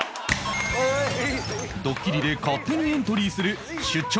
ドッキリで勝手にエントリーする「出張！！